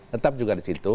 tetap juga di situ